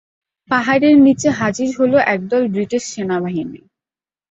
পাহাড়ের নিচে হাজির হলো একদল ব্রিটিশ সেনাবাহিনী।